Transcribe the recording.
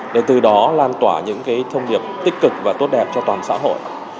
để từ đó lan tỏa những thông điệp tích cực và tốt đẹp cho toàn xã hội